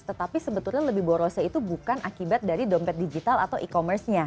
tetapi sebetulnya lebih borosnya itu bukan akibat dari dompet digital atau e commerce nya